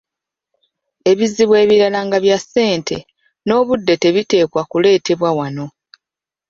Ebizibu ebirala nga ebya ssente, n’obudde tebiteekwa kuleetebwa wano.